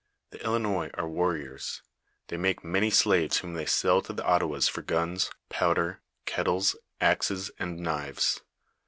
The Hinois are warriors; they make many slaves whom they sell to the Ottawas for guns, powder, kettles, axes, and knives.